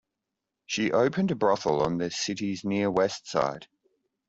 She opened a brothel on the city's near west side.